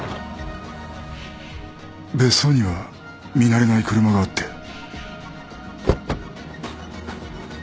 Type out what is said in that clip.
別荘には見慣れない車があって。